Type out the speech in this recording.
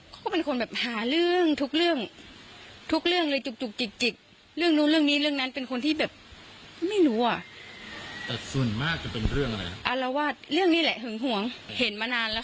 จากการสอบสวนชาวบ้าบ้านของนายสมบูรณ์อยู่ไม่ไกลจากหมู่บ้านเลยแล้ว